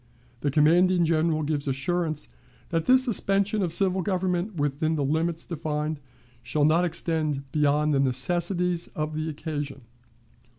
The commanding General gives assurance that this suspension of civil government within the limits defined shall not extend beyond the necessities of the occasion.